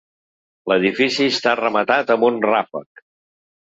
L'edifici està rematat amb un ràfec.